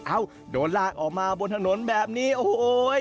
โดนลากออกมาบนถนนแบบนี้โอ้โห